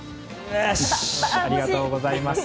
ありがとうございます。